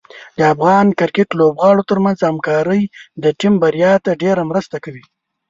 د افغان کرکټ لوبغاړو ترمنځ همکاري د ټیم بریا ته ډېره مرسته کوي.